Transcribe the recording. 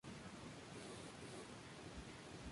Esta inclusión de Lisi no admite parámetros libres.